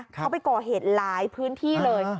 เขาไปก่อเหตุหลายพื้นที่เลย